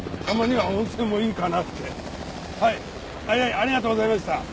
はいはいはいありがとうございました。